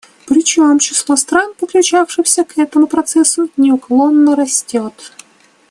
Причем число стран, подключившихся к этому процессу, неуклонно растет.